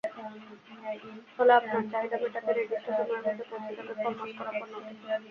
ফলে আপনার চাহিদা মেটাতে নির্দিষ্ট সময়ের মধ্যে পৌঁছে যাবে ফরমাশ করা পণ্যটি।